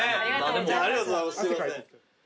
ありがとうございます。